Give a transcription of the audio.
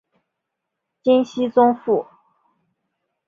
金熙宗父。